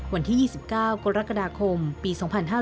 วันที่๒๙กรกฎาคมปี๒๕๕๙